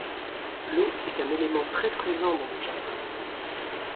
L'eau est un élément très présent dans le jardin.